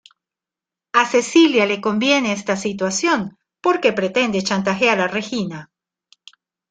A Cecilia le conviene esta situación porque pretende chantajear a Regina.